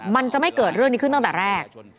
มันจะไม่เกิดเรื่องนี้ขึ้นตั้งแต่แรก